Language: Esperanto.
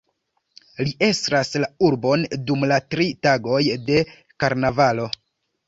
Li estras la urbon dum la tri tagoj de karnavalo.